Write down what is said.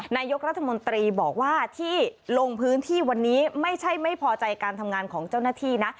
นายกรัฐมนตรีบอกว่าที่ลงพื้นที่วันนี้ไม่ใช่ไม่พอใจการทำงานของเจ้าหน้าที่นะ